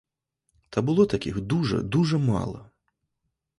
Та було таких дуже, дуже мало!